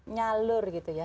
nyalur gitu ya